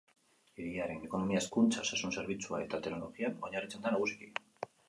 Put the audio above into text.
Hiriaren ekonomia hezkuntza, osasun zerbitzu eta teknologian oinarritzen da nagusiki.